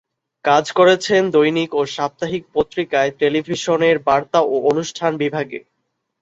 কাজ করেছেন দৈনিক ও সাপ্তাহিক পত্রিকায়, টেলিভিশনের বার্তা ও অনুষ্ঠান বিভাগে।